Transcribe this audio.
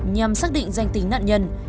nhằm xác định danh tính nạn nhân